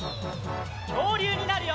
きょうりゅうになるよ！